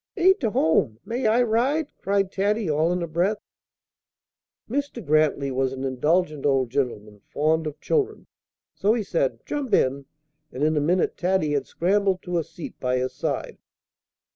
"Ain't to home: may I ride?" cried Taddy, all in a breath. Mr. Grantly was an indulgent old gentleman, fond of children: so he said, "Jump in;" and in a minute Taddy had scrambled to a seat by his side.